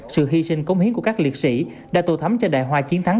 sự hy sinh cống hiến của các liệt sĩ đã tổ thấm cho đại hoa chiến thắng